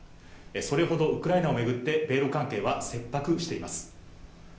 それほどウクライナをめぐって米ロ関係は切迫しています。